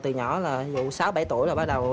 từ nhỏ là vụ sáu bảy tuổi là bắt đầu